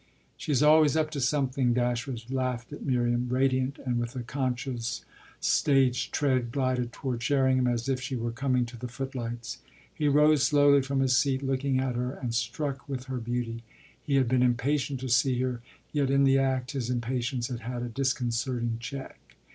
"She's always up to something," Dashwood laughed as Miriam, radiant and with a conscious stage tread, glided toward Sherringham as if she were coming to the footlights. He rose slowly from his seat, looking at her and struck with her beauty: he had been impatient to see her, yet in the act his impatience had had a disconcerting check.